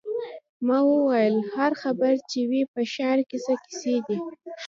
ما وویل: هر خبر چې وي، په ښار کې څه کیسې دي.